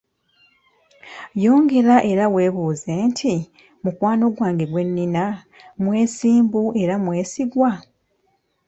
Yongera era weebuuze nti, mukwano gwange gwennina, mwesimbu era mwesigwa?